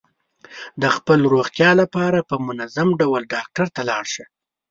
د خپل روغتیا لپاره په منظم ډول ډاکټر ته لاړ شه.